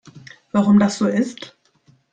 Warum das so ist?